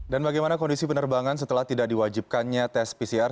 dan bagaimana kondisi penerbangan setelah tidak diwajibkannya tes pcr